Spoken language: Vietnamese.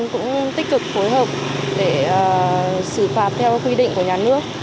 cũng tích cực phối hợp để xử phạt theo quy định của nhà nước